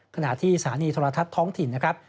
ขณะที่สถานีโทรทัศน์ท้องถิ่นนะครับ